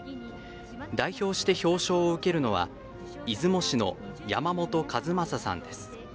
代表して表彰を受けるのは出雲市の山本和正さんです。